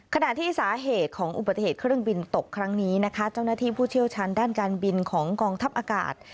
ขณะที่สาเหตุของอุบัติเหตุเครื่องบินตกครั้งนี้นะคะเจ้าหน้าที่ผู้เชี่ยวชาญด้านการบินของกองทัพอากาศ